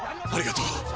ありがとう！